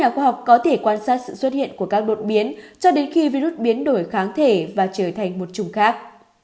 các khoa học có thể quan sát sự xuất hiện của các đột biến cho đến khi virus biến đổi kháng thể và trở thành một chủng khác